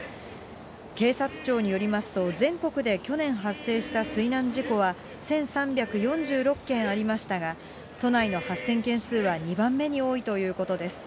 警察庁によりますと、全国で去年発生した水難事故は１３４６件ありましたが、都内の発生件数は２番目に多いということです。